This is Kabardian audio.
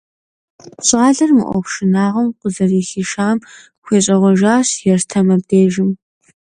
Щӏалэр мы ӏуэху шынагъуэм къызэрыхишам хущӏегъуэжащ Ерстэм абдежым.